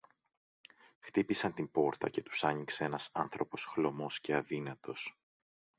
Χτύπησαν την πόρτα και τους άνοιξε ένας άνθρωπος χλωμός και αδύνατος